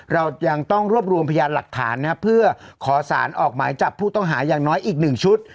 เรายังต้องรวบรวมพยานหลักฐานนะครับเพื่อขอสารออกหมายจับผู้ต้องหาอย่างน้อยอีกหนึ่งชุด